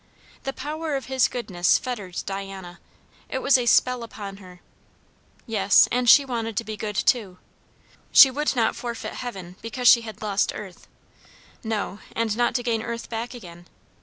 The power of his goodness fettered Diana; it was a spell upon her. Yes, and she wanted to be good too; she would not forfeit heaven because she had lost earth; no, and not to gain earth back again.